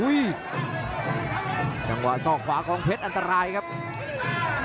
อื้อหือจังหวะขวางแล้วพยายามจะเล่นงานด้วยซอกแต่วงใน